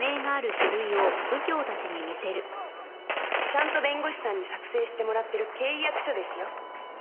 ちゃんと弁護士さんに作成してもらってる契約書ですよ。